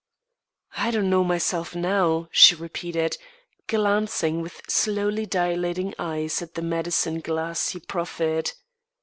"I don't know myself now," she repeated, glancing with slowly dilating eyes at the medicine glass he proffered.